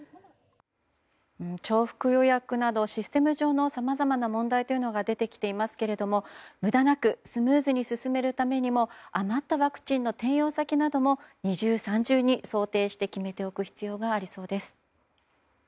重複予約などシステム上のさまざまな問題が出てきていますが無駄なくスムーズに進めるためにも余ったワクチンの転用先なども二重、三重に想定して決めておく必要がありそうです。